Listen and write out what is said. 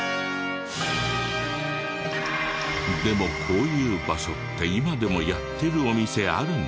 でもこういう場所って今でもやってるお店あるの？